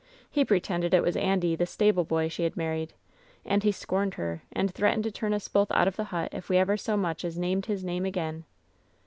He pretended it was Andy, the stableboy, she had married. And he scorned her, and threatened to turn us both out of the hut if we ever so much as named his name again.